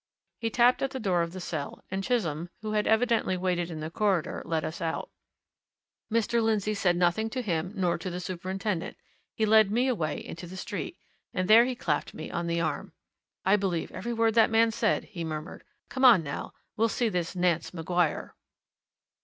He tapped at the door of the cell, and Chisholm, who had evidently waited in the corridor, let us out. Mr. Lindsey said nothing to him, nor to the superintendent he led me away into the street. And there he clapped me on the arm. "I believe every word that man said!" he murmured. "Come on, now we'll see this Nance Maguire."